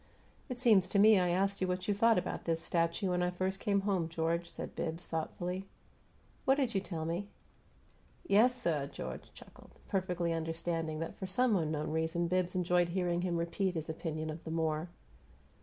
"It seems to me I asked you what you thought about this 'statue' when I first came home, George," said Bibbs, thoughtfully. "What did you tell me?" "Yessuh!" George chuckled, perfectly understanding that for some unknown reason Bibbs enjoyed hearing him repeat his opinion of the Moor.